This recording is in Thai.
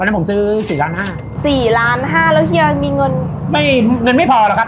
นั้นผมซื้อสี่ล้านห้าสี่ล้านห้าแล้วเฮียมีเงินไม่เงินไม่พอหรอกครับ